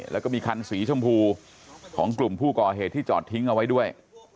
แล้วก็มีคันสีชมพูของกลุ่มผู้ก่อเหตุที่จอดทิ้งเอาไว้ด้วย